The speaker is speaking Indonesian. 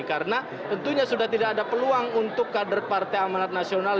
karena tentunya sudah tidak ada peluang untuk kader partai amanat nasional